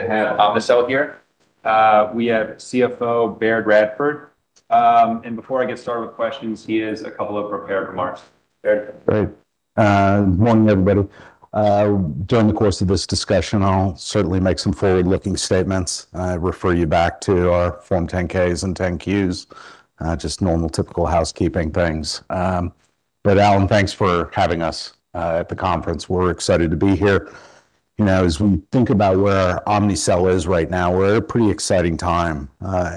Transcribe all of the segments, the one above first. To have Omnicell here. We have CFO Baird Radford. Before I get started with questions, he has a couple of prepared remarks. Baird? Great. Morning, everybody. During the course of this discussion, I'll certainly make some forward-looking statements. I refer you back to our Form 10-Ks and 10-Qs, just normal, typical housekeeping things. Allen, thanks for having us at the conference. We're excited to be here. You know, as we think about where Omnicell is right now, we're at a pretty exciting time,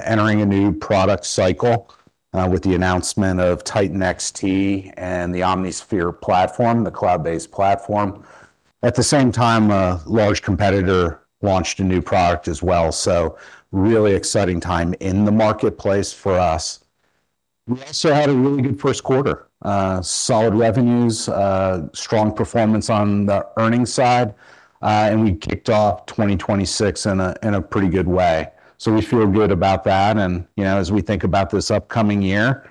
entering a new product cycle, with the announcement of Titan XT and the OmniSphere platform, the cloud-based platform. At the same time, a large competitor launched a new product as well, really exciting time in the marketplace for us. We also had a really good first quarter. Solid revenues, strong performance on the earnings side, we kicked off 2026 in a pretty good way. We feel good about that and, you know, as we think about this upcoming year,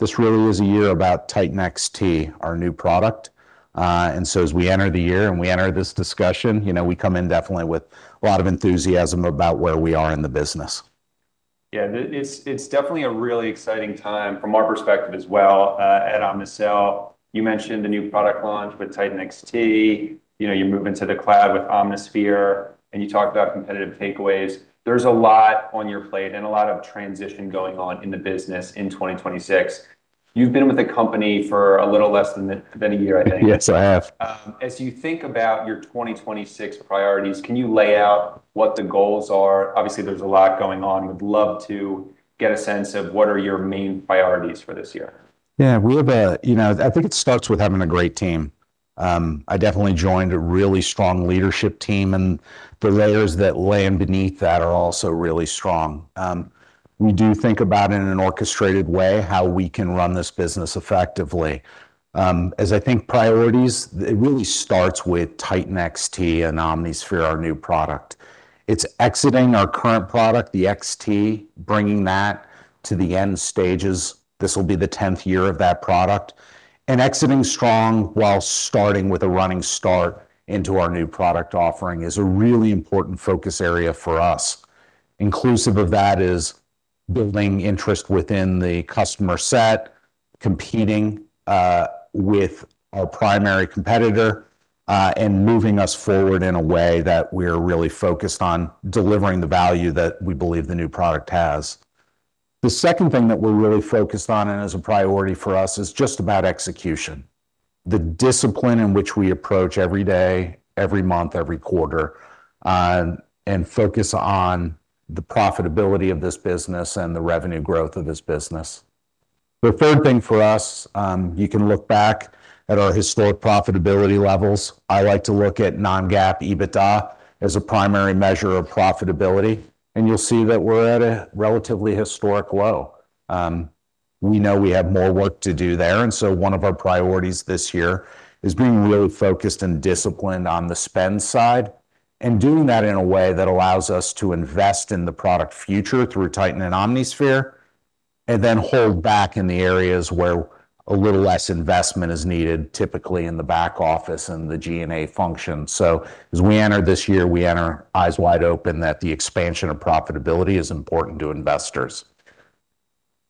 this really is a year about Titan XT, our new product. As we enter the year and we enter this discussion, you know, we come in definitely with a lot of enthusiasm about where we are in the business. Yeah. It's definitely a really exciting time from our perspective as well, at Omnicell. You mentioned the new product launch with Titan XT, you know, you're moving to the cloud with OmniSphere, and you talked about competitive takeaways. There's a lot on your plate and a lot of transition going on in the business in 2026. You've been with the company for a little less than a year, I think. Yes, I have. As you think about your 2026 priorities, can you lay out what the goals are? Obviously, there's a lot going on. We'd love to get a sense of what are your main priorities for this year. Yeah. You know, I think it starts with having a great team. I definitely joined a really strong leadership team, and the layers that lay in beneath that are also really strong. We do think about in an orchestrated way how we can run this business effectively. As I think priorities, it really starts with Titan XT and OmniSphere, our new product. It's exiting our current product, the XT, bringing that to the end stages. This will be the 10th year of that product. Exiting strong while starting with a running start into our new product offering is a really important focus area for us. Inclusive of that is building interest within the customer set, competing with our primary competitor, and moving us forward in a way that we're really focused on delivering the value that we believe the new product has. The second thing that we're really focused on and is a priority for us is just about execution. The discipline in which we approach every day, every month, every quarter, and focus on the profitability of this business and the revenue growth of this business. The third thing for us, you can look back at our historic profitability levels. I like to look at non-GAAP EBITDA as a primary measure of profitability, and you'll see that we're at a relatively historic low. We know we have more work to do there. One of our priorities this year is being really focused and disciplined on the spend side and doing that in a way that allows us to invest in the product future through Titan and OmniSphere and then hold back in the areas where a little less investment is needed, typically in the back office and the G&A function. As we enter this year, we enter eyes wide open that the expansion of profitability is important to investors.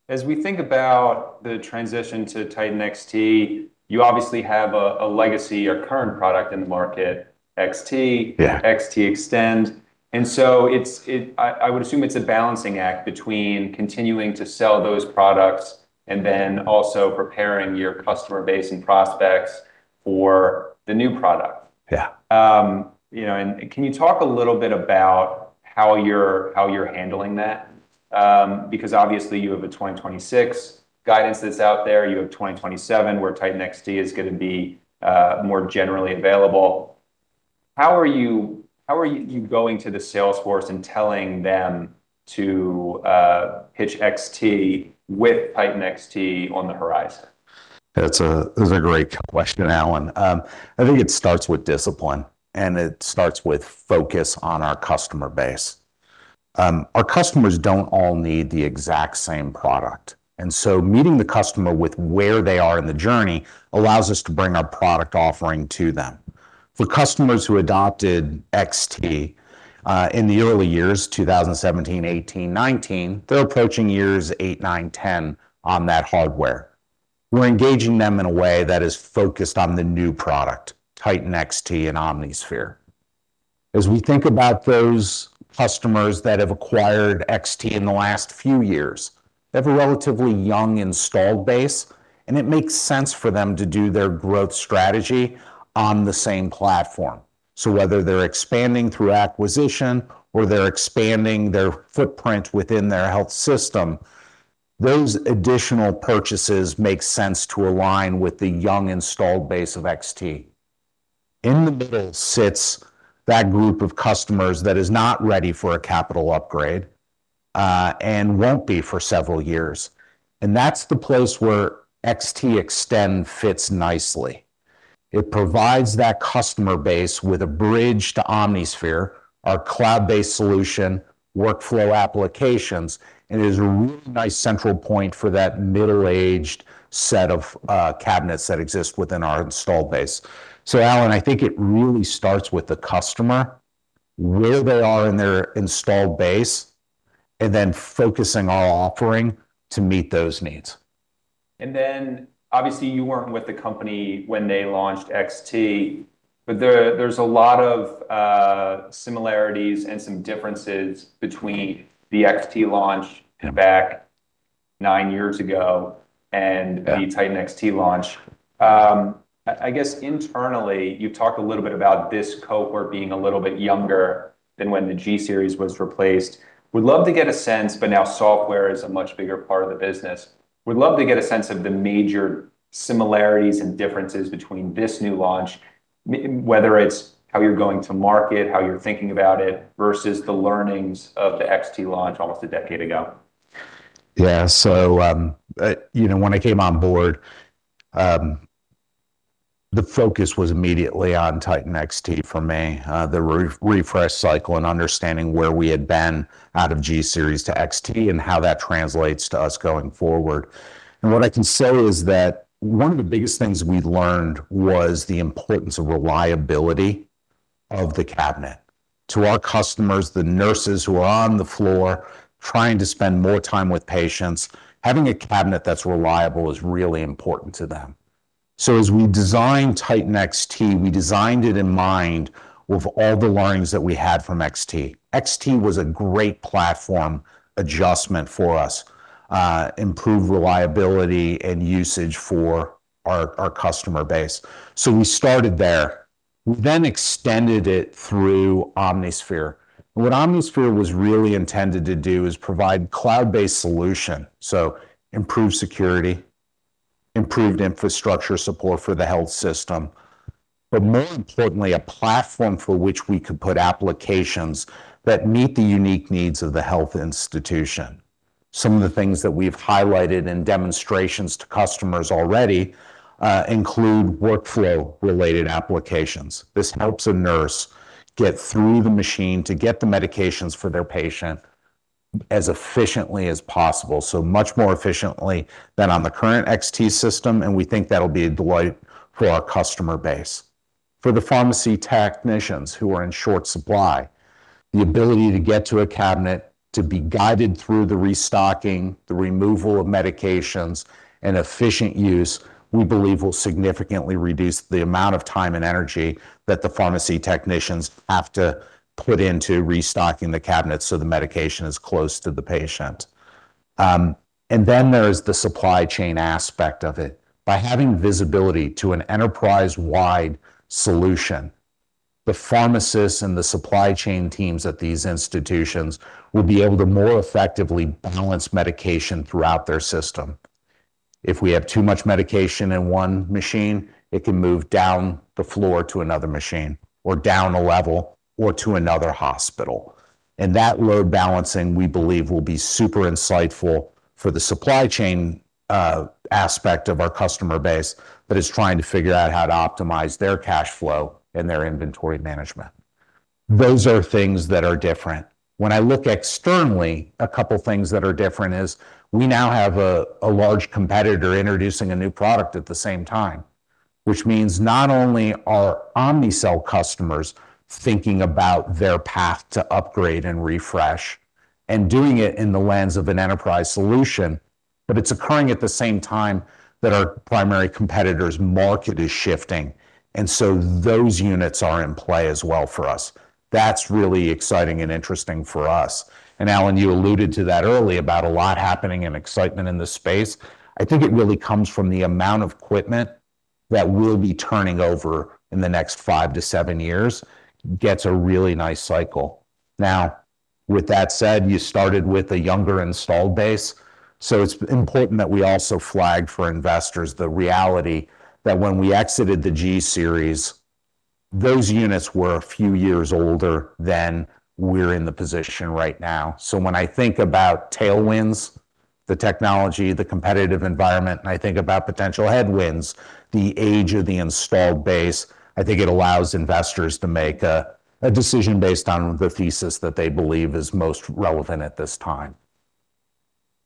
As we think about the transition to Titan XT, you obviously have a legacy or current product in the market, XT. Yeah XTExtend. I would assume it's a balancing act between continuing to sell those products and then also preparing your customer base and prospects for the new product. Yeah. You know, can you talk a little bit about how you're, how you're handling that? Because obviously you have a 2026 guidance that's out there. You have 2027, where Titan XT is gonna be more generally available. How are you going to the sales force and telling them to pitch XT with Titan XT on the horizon? That's a great question, Allen. I think it starts with discipline, and it starts with focus on our customer base. Our customers don't all need the exact same product, and so meeting the customer with where they are in the journey allows us to bring our product offering to them. For customers who adopted XT in the early years, 2017, 2018, 2019, they're approaching years eight, nine, 10 on that hardware. We're engaging them in a way that is focused on the new product, Titan XT and OmniSphere. As we think about those customers that have acquired XT in the last few years, they have a relatively young installed base, and it makes sense for them to do their growth strategy on the same platform. Whether they're expanding through acquisition or they're expanding their footprint within their health system, those additional purchases make sense to align with the young installed base of XT. In the middle sits that group of customers that is not ready for a capital upgrade and won't be for several years, and that's the place where XTExtend fits nicely. It provides that customer base with a Bridge to OmniSphere, our cloud-based solution-workflow applications, and it is a really nice central point for that middle-aged set of cabinets that exist within our install base. Allen, I think it really starts with the customer, where they are in their install base, and then focusing our offering to meet those needs. Obviously you weren't with the company when they launched XT, but there's a lot of similarities and some differences between the XT launch back nine years ago. Yeah the Titan XT launch. I guess internally, you've talked a little bit about this cohort being a little bit younger than when the G-series was replaced. We'd love to get a sense, but now software is a much bigger part of the business. We'd love to get a sense of the major similarities and differences between this new launch, whether it's how you're going to market, how you're thinking about it, versus the learnings of the XT launch almost a decade ago. Yeah. You know, when I came on board, the focus was immediately on Titan XT for me, the refresh cycle and understanding where we had been out of G-series to XT and how that translates to us going forward. What I can say is that one of the biggest things we've learned was the importance of reliability of the cabinet. To our customers, the nurses who are on the floor trying to spend more time with patients, having a cabinet that's reliable is really important to them. As we designed Titan XT, we designed it in mind with all the learnings that we had from XT. XT was a great platform adjustment for us, improved reliability and usage for our customer base. We started there. We then extended it through OmniSphere. What OmniSphere was really intended to do is provide cloud-based solution, so improved security, improved infrastructure support for the health system, but more importantly, a platform for which we could put applications that meet the unique needs of the health institution. Some of the things that we've highlighted in demonstrations to customers already include workflow-related applications. This helps a nurse get through the machine to get the medications for their patient as efficiently as possible, so much more efficiently than on the current XT system, and we think that'll be a delight for our customer base. For the pharmacy technicians who are in short supply, the ability to get to a cabinet, to be guided through the restocking, the removal of medications, and efficient use, we believe will significantly reduce the amount of time and energy that the pharmacy technicians have to put into restocking the cabinets so the medication is close to the patient. Then there's the supply chain aspect of it. By having visibility to an enterprise-wide solution, the pharmacists and the supply chain teams at these institutions will be able to more effectively balance medication throughout their system. If we have too much medication in one machine, it can move down the floor to another machine or down a level or to another hospital. That load balancing, we believe, will be super insightful for the supply chain aspect of our customer base that is trying to figure out how to optimize their cash flow and their inventory management. Those are things that are different. When I look externally, a couple things that are different is we now have a large competitor introducing a new product at the same time, which means not only are Omnicell customers thinking about their path to upgrade and refresh and doing it in the lens of an enterprise solution, but it's occurring at the same time that our primary competitor's market is shifting. Those units are in play as well for us. That's really exciting and interesting for us. Allen, you alluded to that earlier about a lot happening and excitement in the space. I think it really comes from the amount of equipment that we'll be turning over in the next five to seven years gets a really nice cycle. With that said, you started with a younger install base, it's important that we also flag for investors the reality that when we exited the G-series, those units were a few years older than we're in the position right now. When I think about tailwinds, the technology, the competitive environment, and I think about potential headwinds, the age of the installed base, I think it allows investors to make a decision based on the thesis that they believe is most relevant at this time.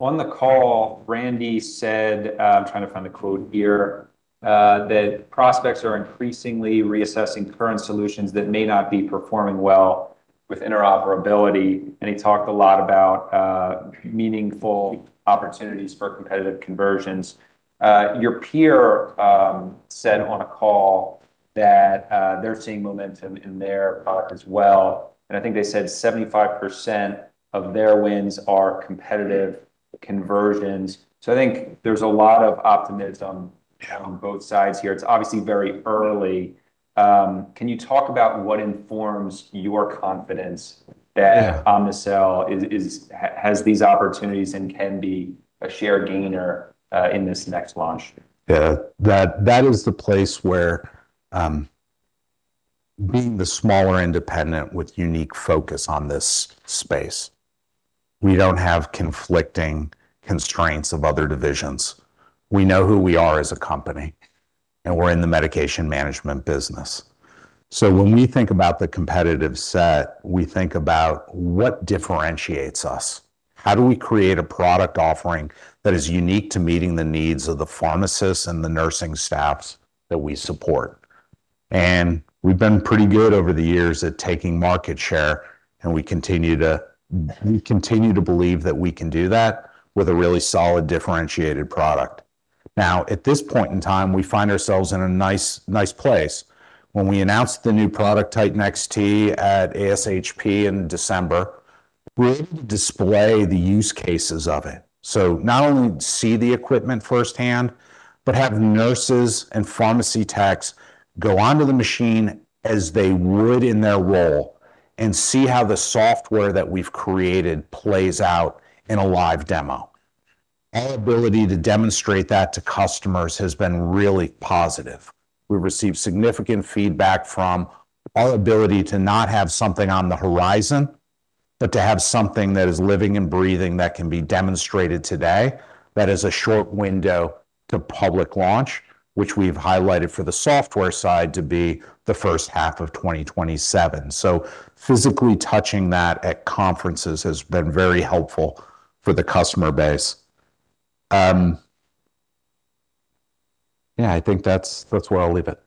On the call, Randy said, I'm trying to find the quote here, that prospects are increasingly reassessing current solutions that may not be performing well with interoperability. He talked a lot about meaningful opportunities for competitive conversions. Your peer said on a call that they're seeing momentum in their product as well. I think they said 75% of their wins are competitive conversions. I think there's a lot of optimism. Yeah On both sides here. It's obviously very early. Can you talk about what informs your confidence? Yeah Omnicell is has these opportunities and can be a shared gainer in this next launch? Yeah, that is the place where, being the smaller independent with unique focus on this space. We don't have conflicting constraints of other divisions. We know who we are as a company, and we're in the medication management business. When we think about the competitive set, we think about what differentiates us. How do we create a product offering that is unique to meeting the needs of the pharmacists and the nursing staffs that we support? We've been pretty good over the years at taking market share, and we continue to believe that we can do that with a really solid differentiated product. Now, at this point in time, we find ourselves in a nice place. When we announced the new product, Titan XT, at ASHP in December, we were able to display the use cases of it. Not only see the equipment firsthand, but have nurses and pharmacy techs go onto the machine as they would in their role and see how the software that we've created plays out in a live demo. Our ability to demonstrate that to customers has been really positive. We've received significant feedback from our ability to not have something on the horizon, but to have something that is living and breathing that can be demonstrated today that is a short window to public launch, which we've highlighted for the software side to be the first half of 2027. Physically touching that at conferences has been very helpful for the customer base. Yeah, I think that's where I'll leave it.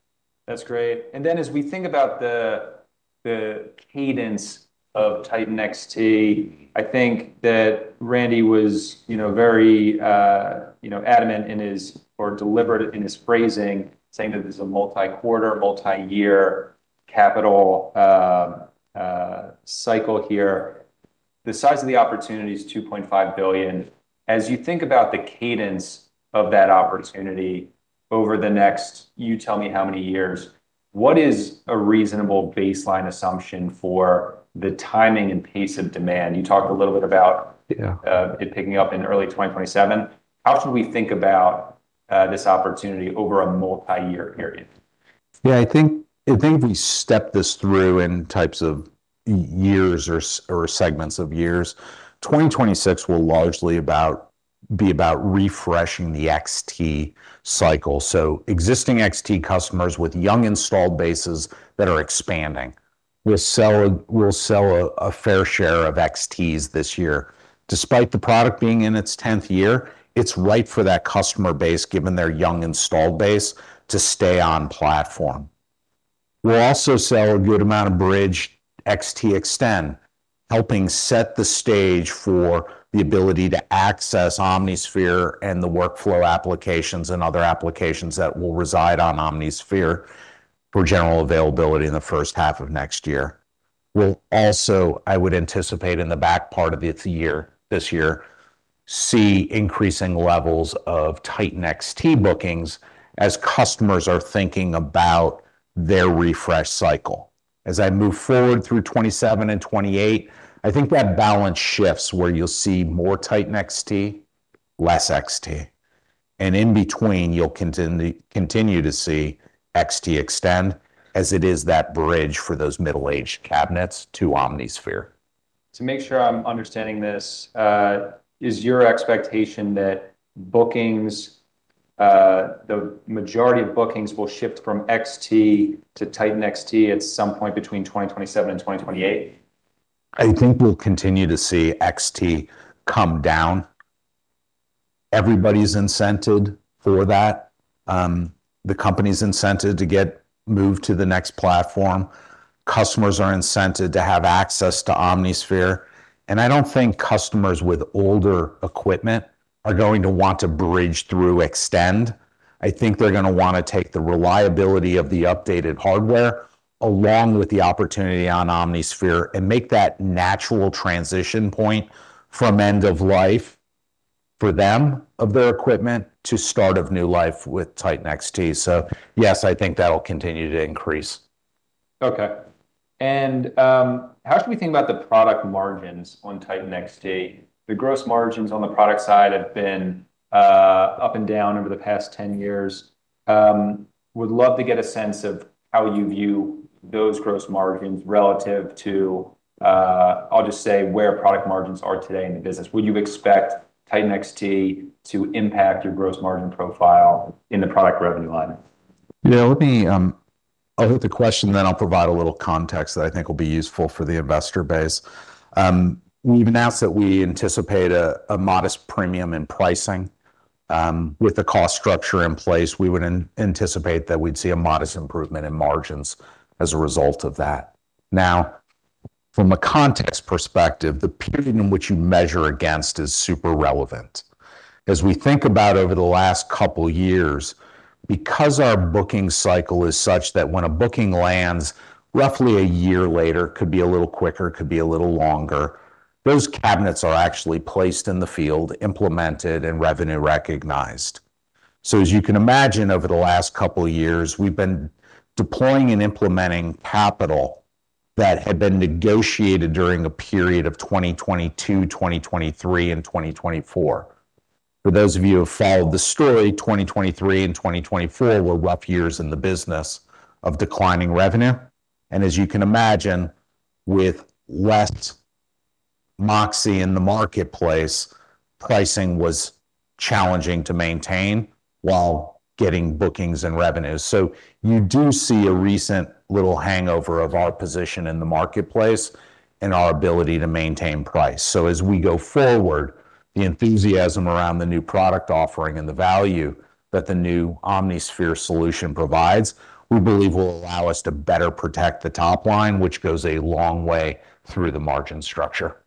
That's great. As we think about the cadence of Titan XT, I think that Randy was, you know, very, you know, adamant in his or deliberate in his phrasing saying that this is a multi-quarter, multi-year capital cycle here. The size of the opportunity is $2.5 billion. As you think about the cadence of that opportunity over the next, you tell me how many years, what is a reasonable baseline assumption for the timing and pace of demand? You talked a little bit about Yeah it picking up in early 2027. How should we think about this opportunity over a multi-year period? I think if we step this through in types of years or segments of years, 2026 will largely be about refreshing the XT cycle. Existing XT customers with young installed bases that are expanding. We'll sell a fair share of XTs this year. Despite the product being in its 10th year, it's right for that customer base, given their young installed base, to stay on platform. We'll also sell a good amount of bridge XTExtend, helping set the stage for the ability to access OmniSphere and the workflow applications and other applications that will reside on OmniSphere for general availability in the first half of next year. We'll also, I would anticipate in the back part of its year, this year, see increasing levels of Titan XT bookings as customers are thinking about their refresh cycle. As I move forward through 2027 and 2028, I think that balance shifts where you'll see more Titan XT, less XT. In between, you'll continue to see XTExtend as it is that bridge for those middle-aged cabinets to OmniSphere. To make sure I'm understanding this, is your expectation that bookings, the majority of bookings will shift from XT to Titan XT at some point between 2027 and 2028? I think we'll continue to see XT come down. Everybody's incented for that. The company's incented to get moved to the next platform. Customers are incented to have access to OmniSphere. I don't think customers with older equipment are going to want to bridge through Extend. I think they're gonna wanna take the reliability of the updated hardware along with the opportunity on OmniSphere and make that natural transition point from end of life for them of their equipment to start of new life with Titan XT. Yes, I think that'll continue to increase. Okay. How should we think about the product margins on Titan XT? The gross margins on the product side have been up and down over the past 10 years. Would love to get a sense of how you view those gross margins relative to, I'll just say where product margins are today in the business. Would you expect Titan XT to impact your gross margin profile in the product revenue line? Yeah, let me, I'll hit the question, then I'll provide a little context that I think will be useful for the investor base. We've announced that we anticipate a modest premium in pricing. With the cost structure in place, we would anticipate that we'd see a modest improvement in margins as a result of that. From a context perspective, the period in which you measure against is super relevant. We think about over the last couple years, because our booking cycle is such that when a booking lands roughly a year later, could be a little quicker, could be a little longer, those cabinets are actually placed in the field, implemented, and revenue recognized. As you can imagine, over the last couple years, we've been deploying and implementing capital that had been negotiated during a period of 2022, 2023, and 2024. For those of you who have followed the story, 2023 and 2024 were rough years in the business of declining revenue. As you can imagine, with less moxie in the marketplace, pricing was challenging to maintain while getting bookings and revenues. You do see a recent little hangover of our position in the marketplace and our ability to maintain price. As we go forward, the enthusiasm around the new product offering and the value that the new OmniSphere solution provides, we believe will allow us to better protect the top line, which goes a long way through the margin structure.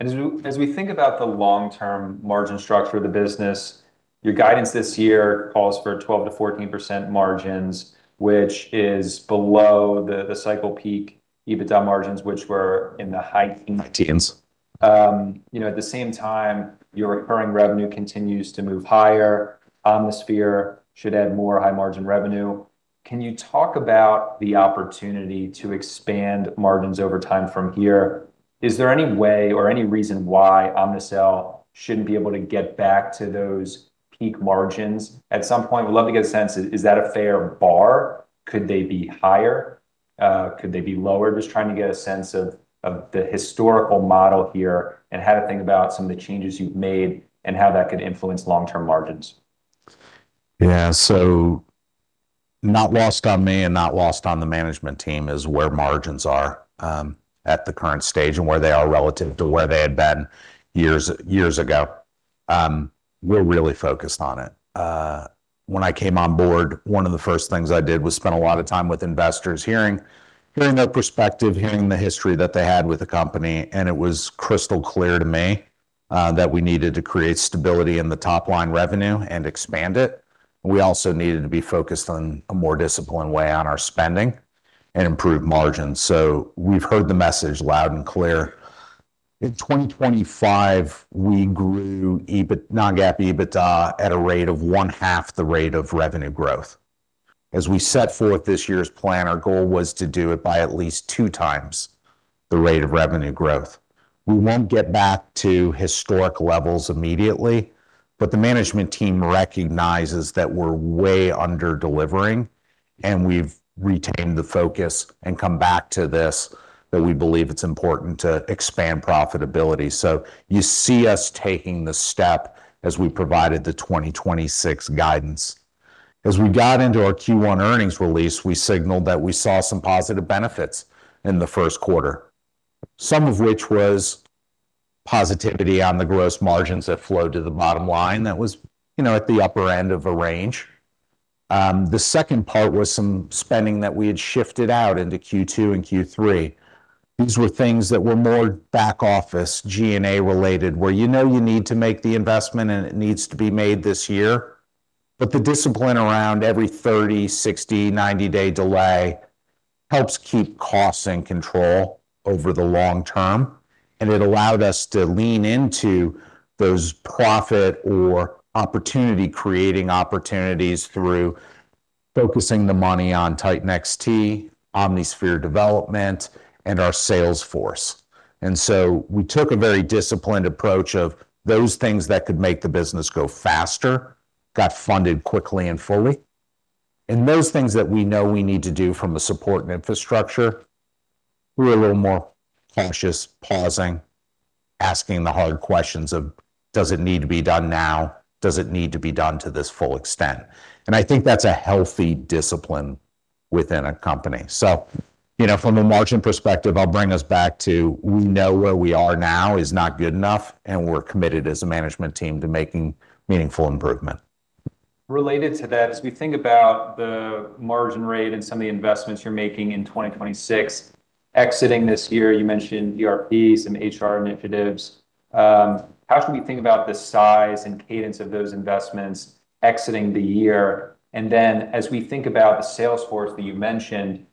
As we think about the long-term margin structure of the business, your guidance this year calls for 12%-14% margins, which is below the cycle peak EBITDA margins, which were in the high teens. You know, at the same time, your recurring revenue continues to move higher. OmniSphere should add more high-margin revenue. Can you talk about the opportunity to expand margins over time from here? Is there any way or any reason why Omnicell shouldn't be able to get back to those peak margins at some point? Would love to get a sense. Is that a fair bar? Could they be higher? Could they be lower? Just trying to get a sense of the historical model here and how to think about some of the changes you've made and how that could influence long-term margins. Yeah. Not lost on me and not lost on the management team is where margins are at the current stage and where they are relative to where they had been years ago. We're really focused on it. When I came on board, one of the first things I did was spend a lot of time with investors hearing their perspective, hearing the history that they had with the company, and it was crystal clear to me that we needed to create stability in the top-line revenue and expand it. We also needed to be focused on a more disciplined way on our spending and improve margins. We've heard the message loud and clear. In 2025, we grew non-GAAP EBITDA at a rate of one half the rate of revenue growth. We set forth this year's plan, our goal was to do it by at least 2x the rate of revenue growth. We won't get back to historic levels immediately, but the management team recognizes that we're way under-delivering, and we've retained the focus and come back to this, that we believe it's important to expand profitability. You see us taking the step as we provided the 2026 guidance. We got into our Q1 earnings release, we signaled that we saw some positive benefits in the first quarter, some of which was positivity on the gross margins that flowed to the bottom line. That was, you know, at the upper end of a range. The second part was some spending that we had shifted out into Q2 and Q3. These were things that were more back-office G&A related, where you know you need to make the investment and it needs to be made this year. The discipline around every 30, 60, 90-day delay helps keep costs in control over the long term, and it allowed us to lean into those profit or opportunity, creating opportunities through focusing the money on Titan XT, OmniSphere development, and our sales force. We took a very disciplined approach of those things that could make the business go faster, got funded quickly and fully. Those things that we know we need to do from a support and infrastructure, we were a little more cautious, pausing, asking the hard questions of does it need to be done now? Does it need to be done to this full extent? I think that's a healthy discipline within a company. You know, from a margin perspective, I'll bring us back to we know where we are now is not good enough, and we're committed as a management team to making meaningful improvement. Related to that, as we think about the margin rate and some of the investments you're making in 2026, exiting this year, you mentioned ERP, some HR initiatives. How should we think about the size and cadence of those investments exiting the year? As we think about the sales force that you mentioned,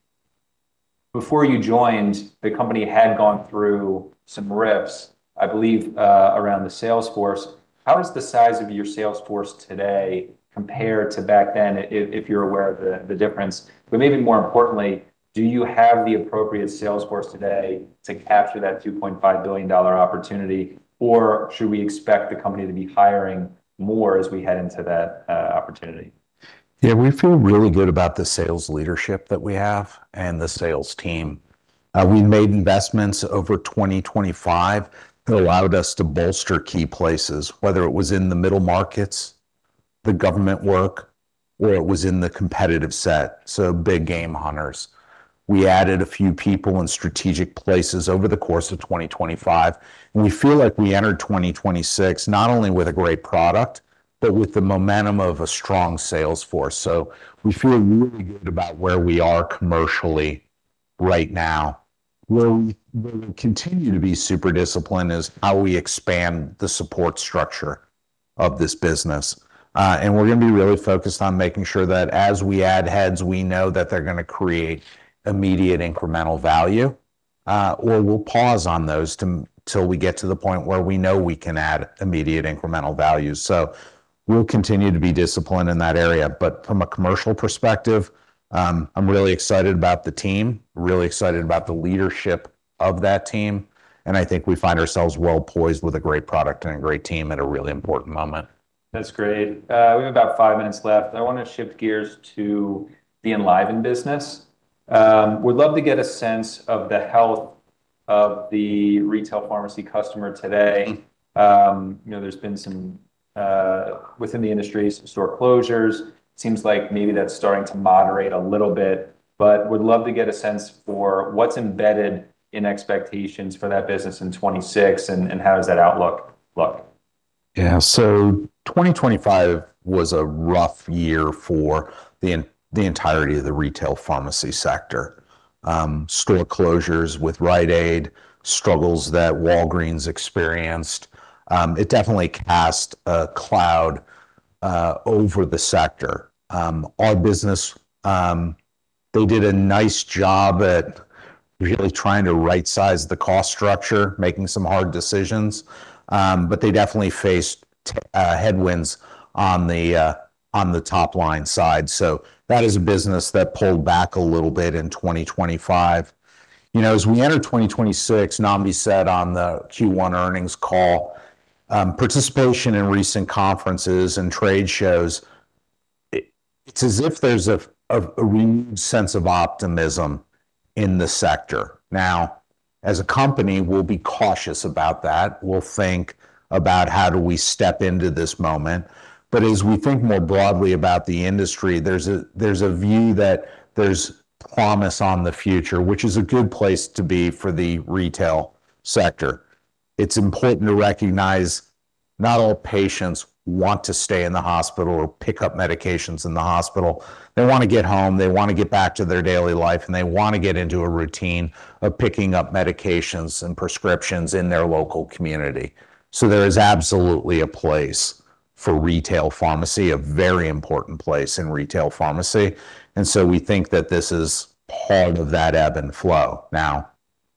before you joined, the company had gone through some RIFs, I believe, around the sales force. How does the size of your sales force today compare to back then, if you're aware of the difference? Maybe more importantly, do you have the appropriate sales force today to capture that $2.5 billion opportunity, or should we expect the company to be hiring more as we head into that opportunity? Yeah, we feel really good about the sales leadership that we have and the sales team. We made investments over 2025 that allowed us to bolster key places, whether it was in the middle markets, the government work, or it was in the competitive set, so big game hunters. We added a few people in strategic places over the course of 2025. We feel like we entered 2026 not only with a great product but with the momentum of a strong sales force. We feel really good about where we are commercially right now. Where we continue to be super disciplined is how we expand the support structure of this business. We're gonna be really focused on making sure that as we add heads, we know that they're gonna create immediate incremental value, or we'll pause on those till we get to the point where we know we can add immediate incremental value. We'll continue to be disciplined in that area. From a commercial perspective, I'm really excited about the team, really excited about the leadership of that team, and I think we find ourselves well-poised with a great product and a great team at a really important moment. That's great. We have about five minutes left. I wanna shift gears to the EnlivenHealth business. Would love to get a sense of the health of the retail pharmacy customer today. You know, there's been some within the industry, some store closures. Seems like maybe that's starting to moderate a little bit. Would love to get a sense for what's embedded in expectations for that business in 2026 and how does that outlook look? Yeah. 2025 was a rough year for the entirety of the retail pharmacy sector. Store closures with Rite Aid, struggles that Walgreens experienced, it definitely cast a cloud over the sector. Our business, they did a nice job at really trying to rightsize the cost structure, making some hard decisions, but they definitely faced headwinds on the top line side. That is a business that pulled back a little bit in 2025. You know, as we enter 2026, Nnamdi said on the Q1 earnings call, participation in recent conferences and trade shows, it's as if there's a renewed sense of optimism in the sector. As a company, we'll be cautious about that. We'll think about, how do we step into this moment? As we think more broadly about the industry, there's a view that there's promise on the future, which is a good place to be for the retail sector. It's important to recognize not all patients want to stay in the hospital or pick up medications in the hospital. They wanna get home, they wanna get back to their daily life, and they wanna get into a routine of picking up medications and prescriptions in their local community. There is absolutely a place for retail pharmacy, a very important place in retail pharmacy, we think that this is part of that ebb and flow.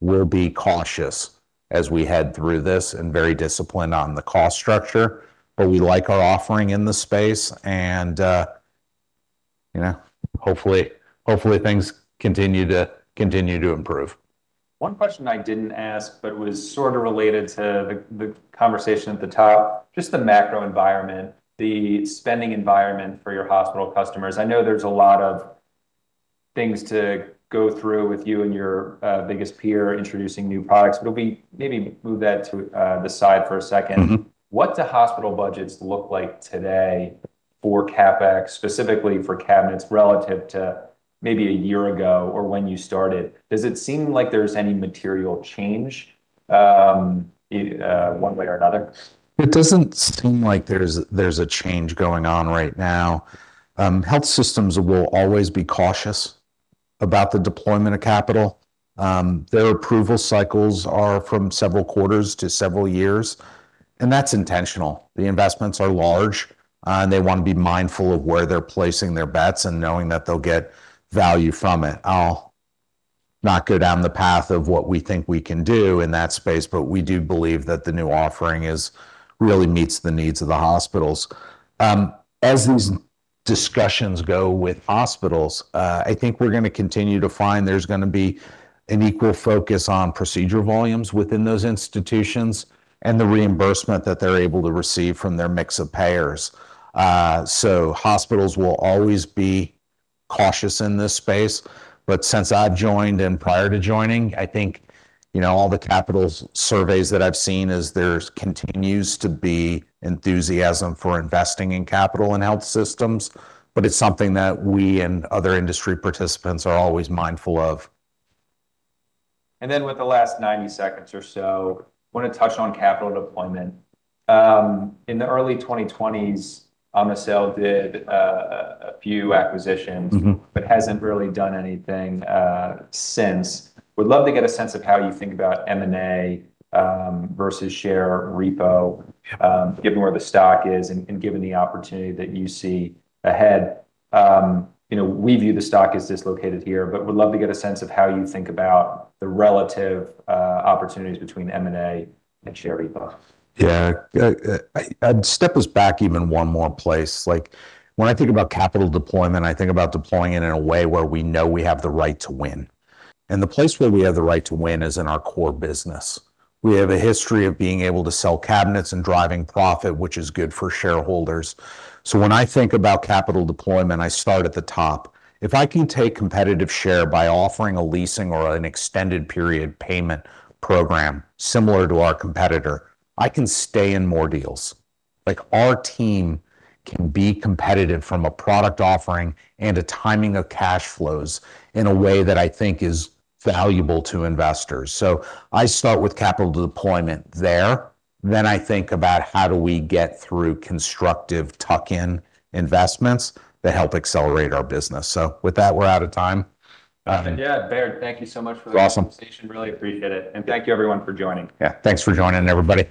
We'll be cautious as we head through this and very disciplined on the cost structure, but we like our offering in the space and, you know, hopefully, things continue to improve. One question I didn't ask, but was sort of related to the conversation at the top, just the macro environment, the spending environment for your hospital customers. I know there's a lot of things to go through with you and your biggest peer introducing new products, but maybe move that to the side for a second. What do hospital budgets look like today for CapEx, specifically for cabinets, relative to maybe a year ago or when you started? Does it seem like there's any material change, one way or another? It doesn't seem like there's a change going on right now. Health systems will always be cautious about the deployment of capital. Their approval cycles are from several quarters to several years, and that's intentional. The investments are large, and they wanna be mindful of where they're placing their bets and knowing that they'll get value from it. I'll not go down the path of what we think we can do in that space, but we do believe that the new offering really meets the needs of the hospitals. As these discussions go with hospitals, I think we're gonna continue to find there's gonna be an equal focus on procedure volumes within those institutions and the reimbursement that they're able to receive from their mix of payers. Hospitals will always be cautious in this space, but since I've joined and prior to joining, I think, you know, all the capital surveys that I've seen is there continues to be enthusiasm for investing in capital and health systems, but it's something that we and other industry participants are always mindful of. With the last 90 seconds or so, wanna touch on capital deployment. In the early 2020s, Omnicell did a few acquisitions- Hasn't really done anything since. Would love to get a sense of how you think about M&A versus share repo, given where the stock is and given the opportunity that you see ahead. You know, we view the stock as dislocated here, would love to get a sense of how you think about the relative opportunities between M&A and share repo. I'd step us back even one more place. When I think about capital deployment, I think about deploying it in a way where we know we have the right to win, and the place where we have the right to win is in our core business. We have a history of being able to sell cabinets and driving profit, which is good for shareholders. When I think about capital deployment, I start at the top. If I can take competitive share by offering a leasing or an extended period payment program similar to our competitor, I can stay in more deals. Our team can be competitive from a product offering and a timing of cash flows in a way that I think is valuable to investors. I start with capital deployment there. I think about, how do we get through constructive tuck-in investments that help accelerate our business? With that, we're out of time. Yeah. Baird, thank you so much for Awesome Conversation. Really appreciate it. Thank you, everyone, for joining. Yeah. Thanks for joining, everybody.